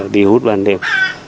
đi hút ban đêm